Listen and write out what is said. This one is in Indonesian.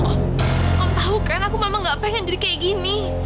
om tahu kan aku memang gak pengen jadi kayak gini